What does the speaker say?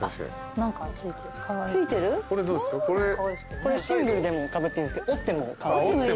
これシングルでもかぶっていいんですけど折ってもカワイイ。